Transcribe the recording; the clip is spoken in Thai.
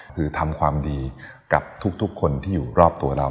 คือทำความดีกับทุกคนที่อยู่รอบตัวเรา